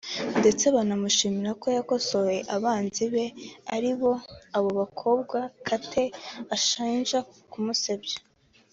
ndetse banamushimira ko yakosoye abanzi be aribo abo bakobwa Kate ashinja kumusebya